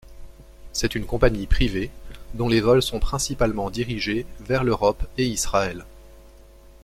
C'est une compagnie privée, dont les vols sont principalement dirigés vers l'Europe et Israël.